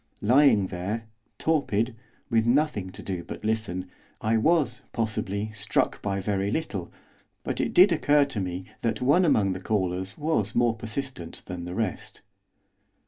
Lying there, torpid, with nothing to do but listen, I was, possibly, struck by very little, but it did occur to me that one among the callers was more persistent than the rest.